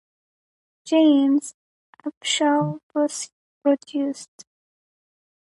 James Upshaw produced.